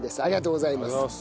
ありがとうございます。